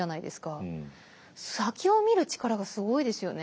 先を見る力がすごいですよね。